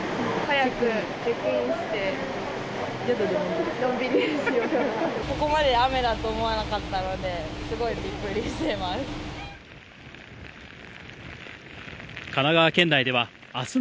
早くチェックインして、ここまで雨だと思わなかったので、すごいびっくりしてます。